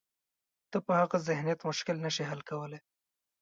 ته په هغه ذهنیت مشکل نه شې حل کولای.